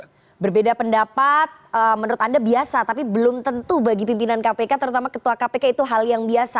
oke berbeda pendapat menurut anda biasa tapi belum tentu bagi pimpinan kpk terutama ketua kpk itu hal yang biasa